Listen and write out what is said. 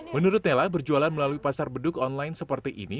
menurut nella berjualan melalui pasar beduk online seperti ini